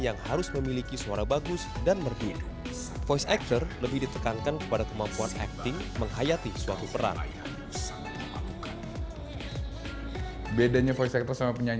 yang harus memiliki suara bagus dan berpikir